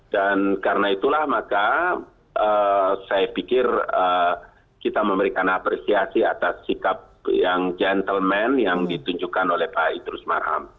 dan karena itulah maka saya pikir kita memberikan apresiasi atas sikap yang gentleman yang ditunjukkan oleh pak idrus marham